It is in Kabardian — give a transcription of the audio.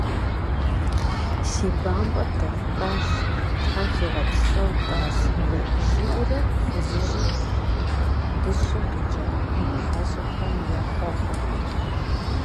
Си бампӀэр дэфхащ, Тхьэм фигъэпсэу, тӀасэ, – жиӀэурэ фызыжьыр дыщым къикӀа хьэщӀэхэм ехъуэхъурт.